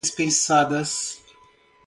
dispensadas